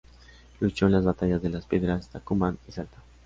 Luchó en las batallas de Las Piedras, Tucumán y Salta.